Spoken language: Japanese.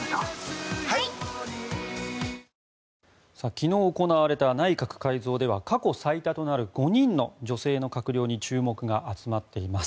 昨日行われた内閣改造では過去最多となる５人の女性の閣僚に注目が集まっています。